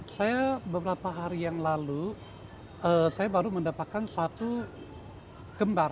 saya beberapa hari yang lalu saya baru mendapatkan satu kembar